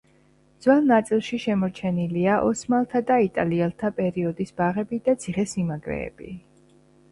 ძველ ნაწილში შემორჩენილია ოსმალთა და იტალიელთა პერიოდის ბაღები და ციხესიმაგრეები.